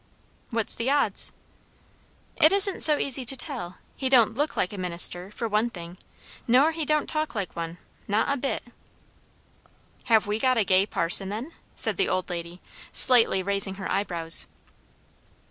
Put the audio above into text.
"What's the odds?" "It isn't so easy to tell. He don't look like a minister, for one thing; nor he don't talk like one; not a bit." "Have we got a gay parson, then?" said the old lady, slightly raising her eyebrows.